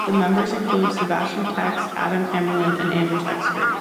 The members include Sebastian Tesch, Adam Kammerland and Anders Ekert.